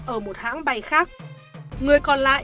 ở một hãng bay khác người còn lại